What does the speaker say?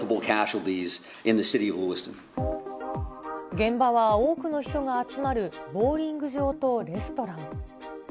現場は多くの人が集まるボウリング場とレストラン。